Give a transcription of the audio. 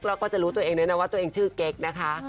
แล้วก็จะรู้ตัวเองด้วยนะว่าตัวเองชื่อเก๊กนะคะ